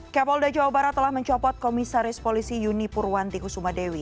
kapolda jawa barat telah mencopot komisaris polisi yuni purwanti kusuma dewi